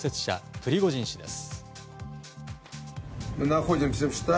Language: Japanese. プリゴジン氏です。